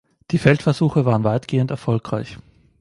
Die Feldversuche waren weitgehend erfolgreich.